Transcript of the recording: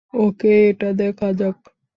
ওকে, এটা দেখা যাক।